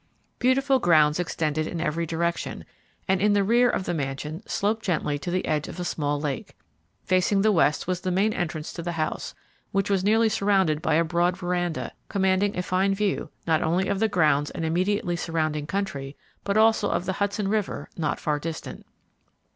Beautiful grounds extended in every direction, and in the rear of the mansion sloped gently to the edge of a small lake. Facing the west was the main entrance to the house, which was nearly surrounded by a broad veranda, commanding a fine view, not only of the grounds and immediately surrounding country, but also of the Hudson River, not far distant.